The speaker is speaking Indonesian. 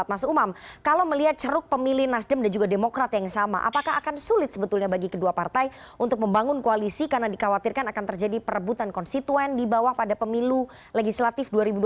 mas umam kalau melihat ceruk pemilih nasdem dan juga demokrat yang sama apakah akan sulit sebetulnya bagi kedua partai untuk membangun koalisi karena dikhawatirkan akan terjadi perebutan konstituen di bawah pada pemilu legislatif dua ribu dua puluh